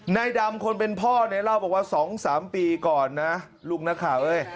ในดำคนเป็นพ่อเนี่ยแล้วบอกว่า๒๓ปีก่อนนะลูกนะคะ